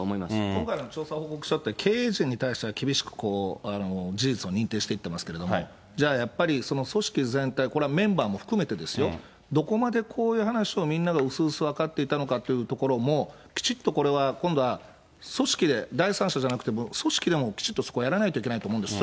今回の調査報告書って、経営陣に対しては厳しく事実を認定していってますけども、じゃあやっぱり組織全体、これはメンバーも含めてですよ、どこまでこういう話をみんながうすうす分かっていたのかというところも、きちっとこれは、今度は組織で、第三者じゃなくて、組織でもきちっとそこはやらないといけないと思うんです。